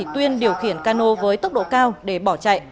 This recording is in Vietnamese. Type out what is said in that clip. tuyên điều khiển cano với tốc độ cao để bỏ chạy